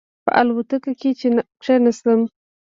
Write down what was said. په الوتکه کې چې کېناستم.